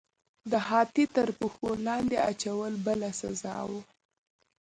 د هاتي تر پښو لاندې اچول بله سزا وه.